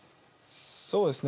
そうですね。